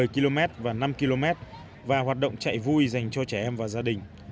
một mươi km và năm km và hoạt động chạy vui dành cho trẻ em và gia đình